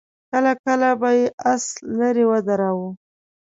کله کله به يې آس ليرې ودراوه.